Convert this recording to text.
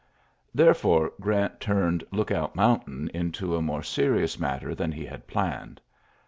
Therefore, Grant turned Lookout Mountain into a more serious matter than he had planned.